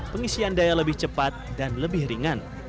pengisian daya lebih cepat dan lebih ringan